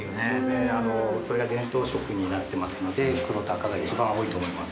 ◆もう、それが伝統色になってますので黒と赤が一番多いと思います。